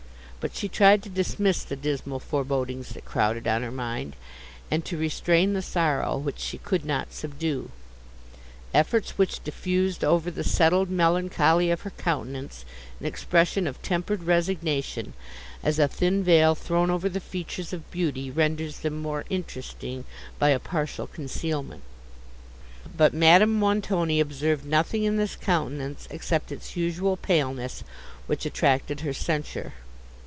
But she tried to dismiss the dismal forebodings that crowded on her mind, and to restrain the sorrow which she could not subdue; efforts which diffused over the settled melancholy of her countenance an expression of tempered resignation, as a thin veil, thrown over the features of beauty, renders them more interesting by a partial concealment. But Madame Montoni observed nothing in this countenance except its usual paleness, which attracted her censure.